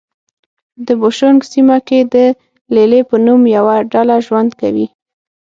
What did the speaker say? د بوشونګ سیمه کې د لې لې په نوم یوه ډله ژوند کوي.